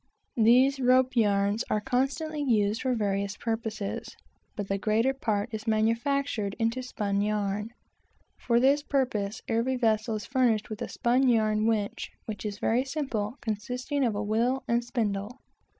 These "rope yarns" are constantly used for various purposes, but the greater part is manufactured into spun yarn. For this purpose every vessel is furnished with a "spun yarn winch;" which is very simple, consisting of a wheel and spindle.